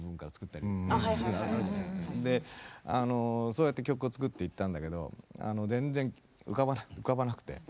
そうやって曲を作っていったんだけど全然浮かばなくて。